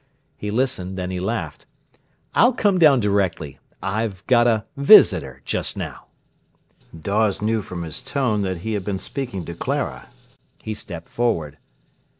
He listened, then he laughed. "I'll come down directly. I've got a visitor just now." Dawes knew from his tone that he had been speaking to Clara. He stepped forward.